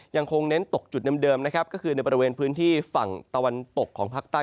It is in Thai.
ยังคงเน้นตกจุดเดิมก็คือในฝันตะวันตกของพรรคใต้